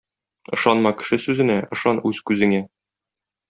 Ышанма кеше сүзенә, ышан үз күзеңә!